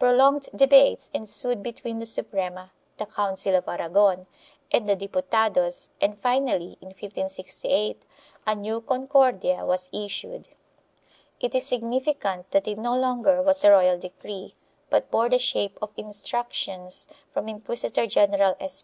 Prolonged debates ensued between the Suprema, the Council of Aragon and the Diputados and finally, in 1568, a new Concordia was issued. It is significant that it no longer was a royal decree but bore the shape of instructions from Inquisitor general Espinosa 1 Relazioni Venete, Serie I, T.